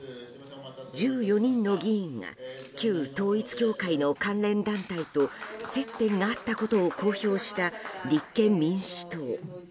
１４人の議員が旧統一教会の関連団体と接点があったことを公表した立憲民主党。